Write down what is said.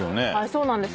そうなんです。